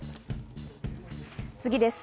次です。